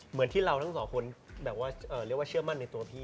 เหมือนที่เราทั้งสองคนแบบว่าเรียกว่าเชื่อมั่นในตัวพี่